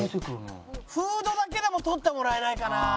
フードだけでも取ってもらえないかな？